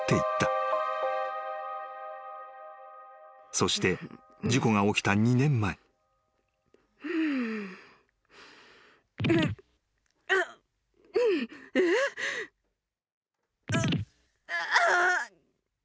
［そして事故が起きた２年前］えっ？ああ！？